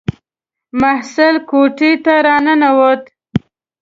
محصل کوټې ته را ننووت.